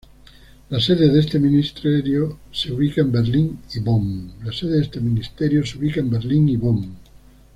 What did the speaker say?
La sede de este ministerio se ubica en Berlín y Bonn.